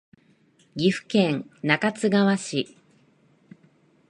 岐阜県中津川市